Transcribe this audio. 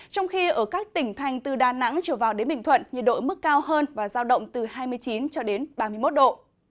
trong khi ở các tỉnh thành từ đà nẵng trở vào đến bình thuận nhiệt độ mức cao hơn và giao động từ hai mươi chín cho đến ba mươi một độ